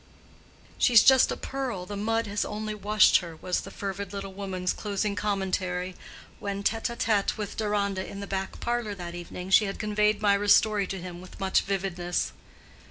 "She's just a pearl; the mud has only washed her," was the fervid little woman's closing commentary when, tête à tête with Deronda in the back parlor that evening, she had conveyed Mirah's story to him with much vividness.